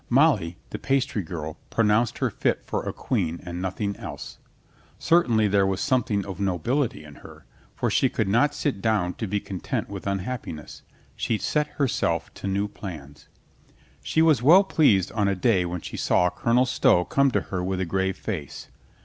Molly, the pastry girl, pronounced her fit for a queen and nothing else. Certainly there was something of nobility in her, for she could not sit 213 214 COLONEL GREATHEART down to be content with unhappiness. She set her self to new plans. She was well pleased on a day when she saw Colonel Stow come to her with a grave face.